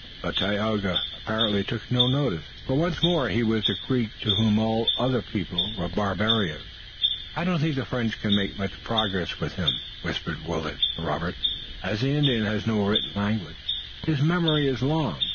But Tayoga apparently took no notice. Once more he was the Greek to whom all outer peoples were barbarians. "I don't think the French can make much progress with him," whispered Willet to Robert. "As the Indian has no written language, his memory is long.